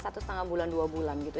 satu setengah bulan dua bulan gitu